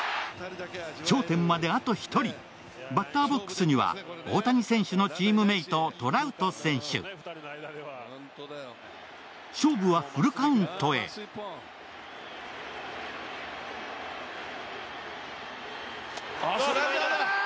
頂点まであと１人バッターボックスには大谷選手のチームメイトトラウト選手勝負はフルカウントへスライダーだー！